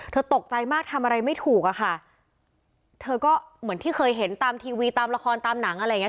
ตกใจมากทำอะไรไม่ถูกอะค่ะเธอก็เหมือนที่เคยเห็นตามทีวีตามละครตามหนังอะไรอย่างเง